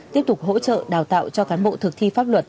tiếp tục hỗ trợ đào tạo cho cán bộ thực thi pháp luật